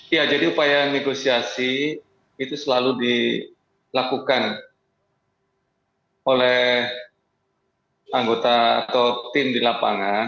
ya jadi upaya negosiasi itu selalu dilakukan oleh anggota atau tim di lapangan